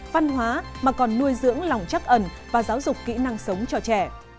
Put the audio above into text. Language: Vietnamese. phân hóa mà còn nuôi dưỡng lòng chắc ẩn và giáo dục kỹ năng sống cho trẻ